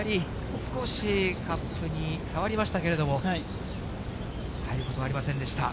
少しカップに触りましたけれども、入ることはありませんでした。